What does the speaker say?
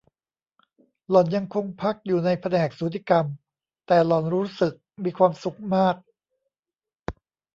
หล่อนยังคงพักอยู่ในแผนกสูติกรรม แต่หล่อนรู้สึกมีความสุขมาก